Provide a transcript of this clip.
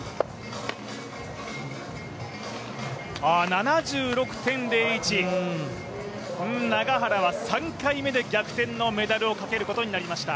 ７６．０１、永原は３回目で逆転のメダルをかけることになりました。